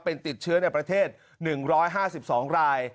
เป็นติดเชื้อในประเทศ๑๕๒ราย